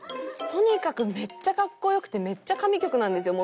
とにかくめっちゃ格好良くてめっちゃ神曲なんですよ。